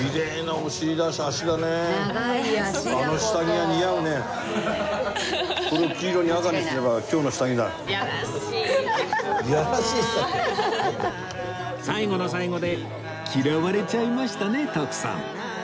最後の最後で嫌われちゃいましたね徳さん